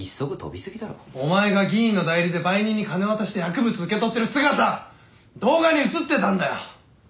お前が議員の代理で売人に金渡して薬物受け取ってる姿動画に映ってたんだよ！